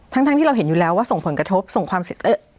ทั้งที่เราเห็นอยู่แล้วว่าส่งผลกระทบส่งความเสร็จ